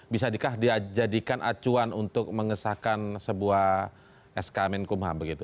bisakah dijadikan acuan untuk mengesahkan sebuah skmn kumh begitu